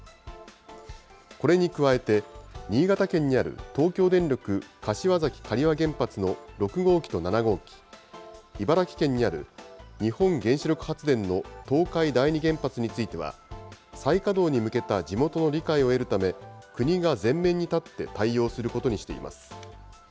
これに加えて、新潟県にある東京電力柏崎刈羽原発の６号機と７号機、茨城県にある日本原子力発電の東海第二原発については、再稼働に向けた地元の理解を得るため、国が前面に立って対応することにしています。